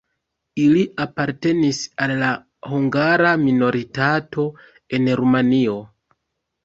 Ili apartenis al la hungara minoritato en Rumanio.